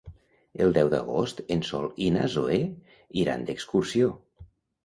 El deu d'agost en Sol i na Zoè iran d'excursió.